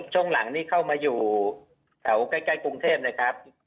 ช่วงหลังเข้ามาอยู่แถวใกล้กรุงเทพฯ